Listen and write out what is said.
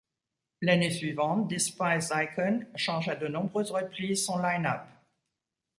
L'année suivante, Despised Icon change à de nombreuses reprises son line-up.